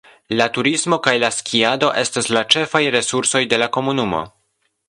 La turismo kaj la skiado estas la ĉefaj resursoj de la komunumo.